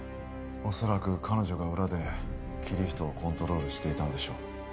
恐らく彼女が裏でキリヒトをコントロールしていたんでしょう